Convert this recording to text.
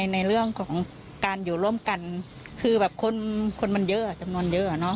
ในเรื่องของการอยู่ร่วมกันคือแบบคนมันเยอะจำนวนเยอะ